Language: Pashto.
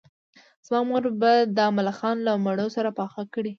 زما مور به دا ملخان له مڼو سره پاخه کړي